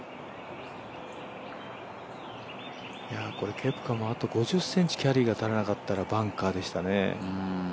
ケプカもあと５０ｃｍキャリーが足らなかったらバンカーでしたね。